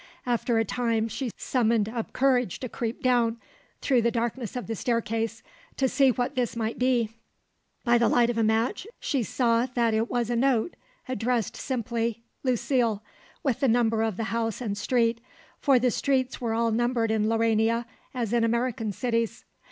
After a time she summoned up courage to creep down, through the darkness of the staircase, to see what this might be. By the light of a match she saw that it was a note addressed simply Lucile with the number of the house and street, for the streets were all numbered in Laurania as in American cities.